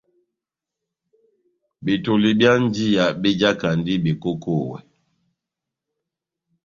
Betoli byá njiya bejakandi bekokowɛ.